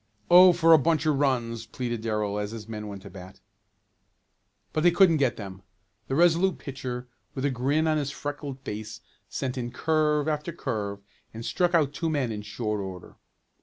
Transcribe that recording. "Oh, for a bunch of runs!" pleaded Darrell, as his men went to bat. But they couldn't get them. The Resolute pitcher with a grin on his freckled face sent in curve after curve and struck out two men in short order.